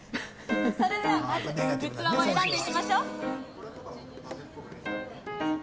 それではまず器を選んでいきましょう。